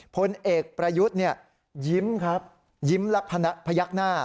พลเอกประยุทธ์ยิ้มและพยักหน้า